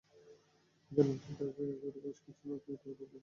ওখানেই একটি ডকইয়ার্ড করে বেশ কিছু নৌকা ইতিমধ্যে তৈরি করা হয়েছে।